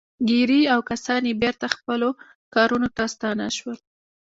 ګیري او کسان یې بېرته خپلو کارونو ته ستانه شول